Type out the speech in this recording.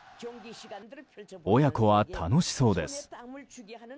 親子は楽しそうです。